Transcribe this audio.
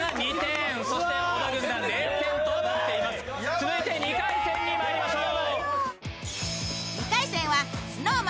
続いて２回戦にまいりましょう。